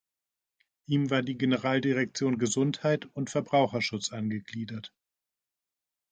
Ihm war die Generaldirektion Gesundheit und Verbraucherschutz angegliedert.